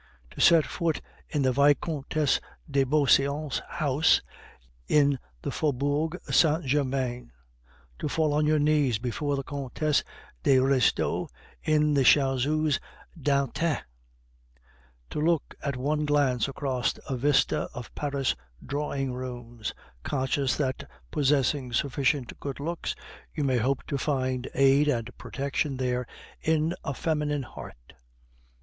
To set foot in the Vicomtesse de Beauseant's house in the Faubourg Saint Germain; to fall on your knees before a Comtesse de Restaud in the Chaussee d'Antin; to look at one glance across a vista of Paris drawing rooms, conscious that, possessing sufficient good looks, you may hope to find aid and protection there in a feminine heart!